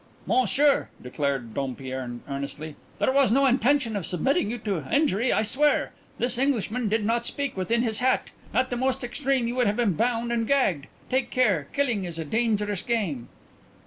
"Monsieur," declared Dompierre earnestly, "there was no intention of submitting you to injury, I swear. This Englishman did but speak within his hat. At the most extreme you would have been but bound and gagged. Take care: killing is a dangerous game."